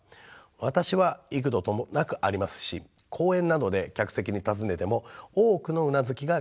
私は幾度となくありますし講演などで客席に尋ねても多くのうなずきが返ってきます。